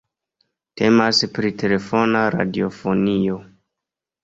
Temas pri telefona radiofonio.